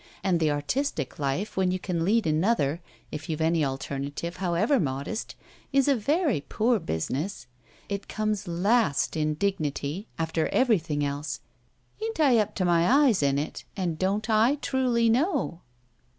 And the artistic life, when you can lead another if you've any alternative, however modest is a very poor business. It comes last in dignity after everything else. Ain't I up to my eyes in it and don't I truly know?"